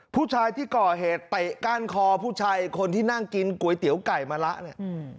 ผู้ชายที่ก่อเหตุเตะก้านคอผู้ชายคนที่นั่งกินก๋วยเตี๋ยวไก่มะละเนี่ย